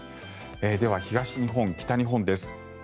では東日本、北日本です。